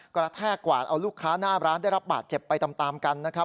กระแทกกวาดเอาลูกค้าหน้าร้านได้รับบาดเจ็บไปตามกันนะครับ